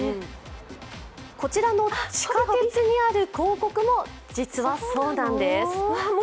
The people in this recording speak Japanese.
こちらの地下鉄にある広告も実はそうなんです。